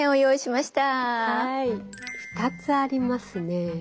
はい２つありますね。